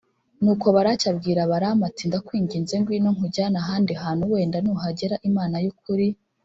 Nuko Balaki abwira Balamu ati ndakwinginze ngwino nkujyane ahandi hantu Wenda nuhagera Imana y ukuri